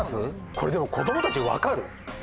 これでも子供たち分かる？